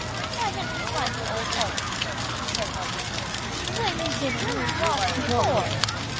"Why didn't you run to old Ellen," she said lovingly, "the way you did when you was lost before?"